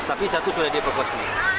tapi satu sudah di evakuasinya